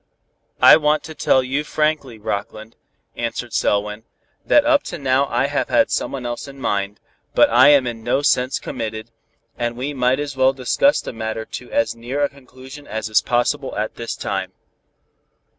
"I want to tell you frankly, Rockland," answered Selwyn, "that up to now I have had someone else in mind, but I am in no sense committed, and we might as well discuss the matter to as near a conclusion as is possible at this time."